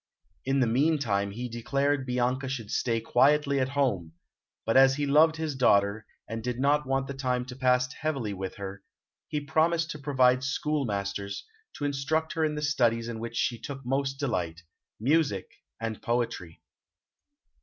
In the meantime he declared Bianca should stay quietly at home; but as he loved his daughter, and did not want the time to pass heavily with her, he promised to provide schoolmasters, to instruct her in the studies in which she took most delight music and poetry.